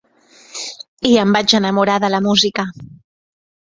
I em vaig enamorar de la música.